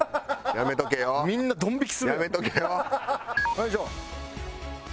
よいしょ！